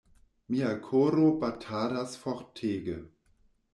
Mia koro batadas fortege.